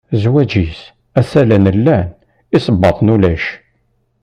Zwaǧ-is, assalen llan, isebbaḍen ulac.